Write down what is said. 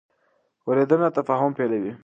اورېدنه تفاهم پیلوي.